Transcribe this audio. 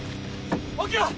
起きろ！